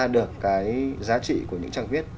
được cái giá trị của những trang viết